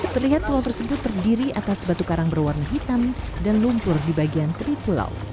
terlihat pulau tersebut terdiri atas batu karang berwarna hitam dan lumpur di bagian teri pulau